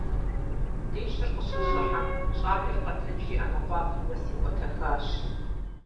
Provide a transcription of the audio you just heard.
Лӏищыр къыщыщӏыхьэм, щӏалэр къэтэджри ӏэнэ къуапэм нэс екӏуэтэхащ.